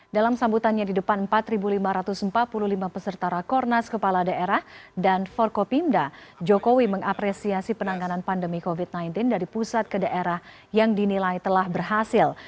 dalam sambutannya di depan empat lima ratus empat puluh lima peserta rakornas kepala daerah dan forkopimda jokowi mengapresiasi penanganan pandemi covid sembilan belas dari pusat ke daerah yang dinilai telah berhasil